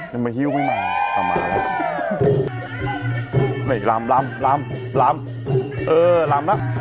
ยังไม่ฮิ้วไม่มาต่อมาแล้วนี่ลำลำลำลำเออลำลำ